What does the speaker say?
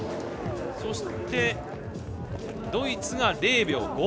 そして、ドイツが０秒５３。